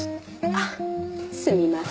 ああすみません。